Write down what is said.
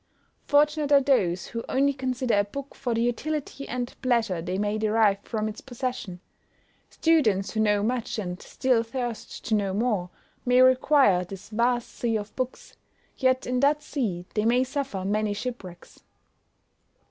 Fortunate are those who only consider a book for the utility and pleasure they may derive from its possession. Students, who know much, and still thirst to know more, may require this vast sea of books; yet in that sea they may suffer many shipwrecks.